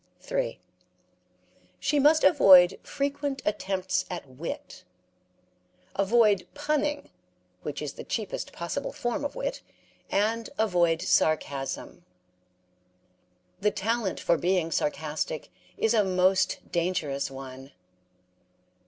3. She must avoid frequent attempts at wit; avoid punning, which is the cheapest possible form of wit; and avoid sarcasm. The talent for being sarcastic is a most dangerous one.